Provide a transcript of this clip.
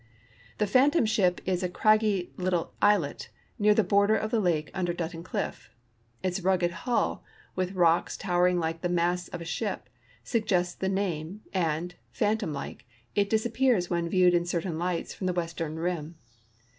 The Phantom Ship is a cragg}^ little islet near the hortler of the lake under Dutton cliff. Its rugged hull, with rocks tower ing like the masts of a ship, suggests the name, and, phantom like, it disappears when viewed in certain lights from the western rim.